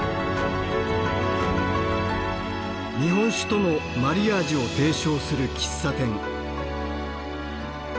日本酒とのマリアージュを提唱する喫茶店。